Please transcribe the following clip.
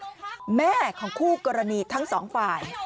แม่ของคู่กรณีทั้งสองฝ่าย